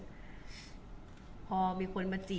คุณผู้ถามเป็นความขอบคุณค่ะ